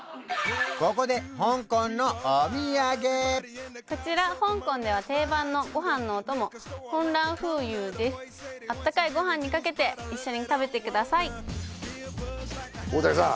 ここで香港のお土産こちら香港では定番のご飯のお供ホンラーフーユーですあったかいご飯にかけて一緒に食べてください大竹さん